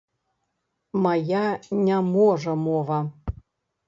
Мая не можа мова!